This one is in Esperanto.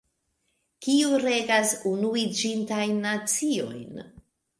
Kiu regas Unuiĝintajn Naciojn?